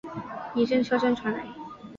一阵车声传来